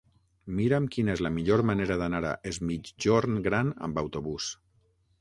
Mira'm quina és la millor manera d'anar a Es Migjorn Gran amb autobús.